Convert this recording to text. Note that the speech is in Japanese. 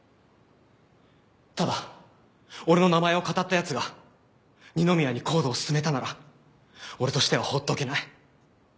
ただ俺の名前をかたったヤツが二宮にＣＯＤＥを勧めたなら俺としては放っておけない。